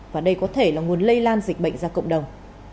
và đây có thể là nguồn lây lan dịch bệnh ra cộng đồng